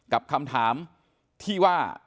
กับคำถามที่ว่า